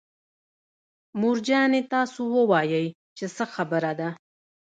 مور جانې تاسو ووايئ چې څه خبره ده.